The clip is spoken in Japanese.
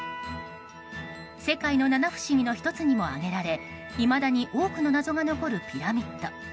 世界の七不思議の１つにも挙げられいまだに多くの謎が残るピラミッド。